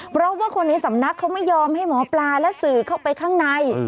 เพราะว่าคนในสำนักเขาไม่ยอมให้หมอปลาและสื่อเข้าไปข้างใน